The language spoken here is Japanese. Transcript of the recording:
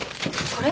これ。